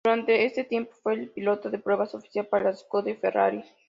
Durante ese tiempo fue el piloto de pruebas oficial para la Scuderia Ferrari.